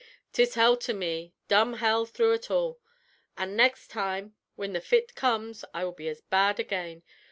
'Tis hell to me dumb hell through ut all; an' next time whin the fit comes I will be as bad again.